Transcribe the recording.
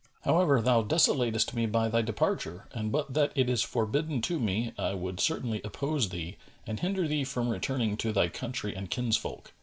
However, thou desolatest me by thy departure, and but that it is forbidden to me, I would certainly oppose thee and hinder thee from returning to thy country and kinsfolk."